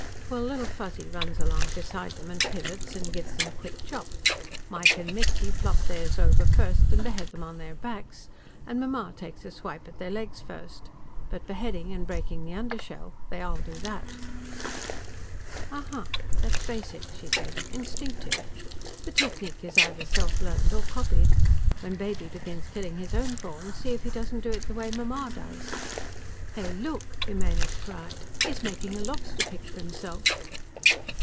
"Well, Little Fuzzy runs along beside them and pivots and gives them a quick chop. Mike and Mitzi flop theirs over first and behead them on their backs. And Mamma takes a swipe at their legs first. But beheading and breaking the undershell, they all do that." "Uh huh; that's basic," she said. "Instinctive. The technique is either self learned or copied. When Baby begins killing his own prawns, see if he doesn't do it the way Mamma does!" "Hey, look!" Jimenez cried. "He's making a lobster pick for himself!"